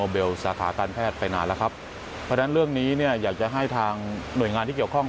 เพราะฉะนั้นเรื่องนี้เนี่ยอยากจะให้ทางหน่วยงานที่เกี่ยวข้อง